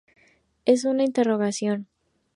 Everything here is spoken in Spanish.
Es una interrogación.